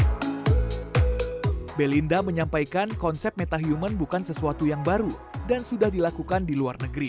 keputusan untuk mengembangkan metahuman adalah untuk membuatnya lebih terkenal dan lebih terkenal belinda menjelaskan konsep metahuman adalah untuk mengembangkan metahuman dan sudah dilakukan di luar negeri